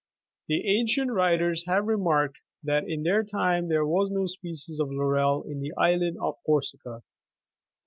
The ancient writers have remarked, that in their time there was no species of laurel in the island of Corsica.